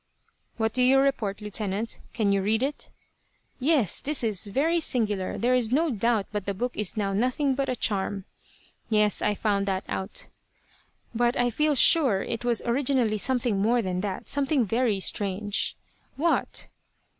"What do you report, Lieutenant? Can you read it?" "Yes. This is very singular. There is no doubt but the book is now nothing but a charm." "Yes. I found that out." "But I feel sure it was originally something more than that. Something very strange." "What?"